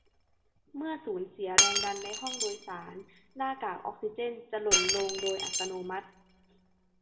เมื่อสูญเสียแรงดันในห้องโดยสารหน้ากากออกซิเจนจะหล่นลงโดยอัตโนมัติ